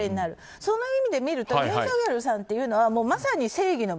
その意味で言うとユン・ソギョルさんというのはまさに正義の方。